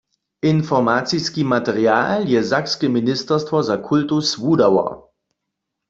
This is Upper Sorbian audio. Informaciski material je sakske ministerstwo za kultus wudało.